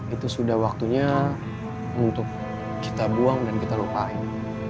itu sudah waktunya untuk kita buang dan kita lupain